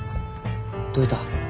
どういた？